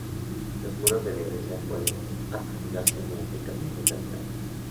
Los muros de la iglesia pueden articularse mediante capillas laterales.